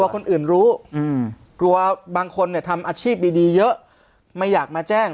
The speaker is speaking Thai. คนอื่นรู้กลัวบางคนเนี่ยทำอาชีพดีเยอะไม่อยากมาแจ้ง